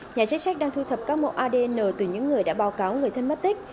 nhà chết chết đang thu thập các mẫu adn từ những người đã báo cáo người thân mất tích